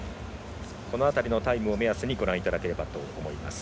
この辺りのタイムを目安にご覧いただけたらと思います。